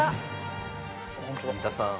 飯田さん